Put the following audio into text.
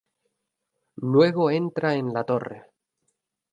Luego, entra en la torre.